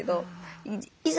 いざ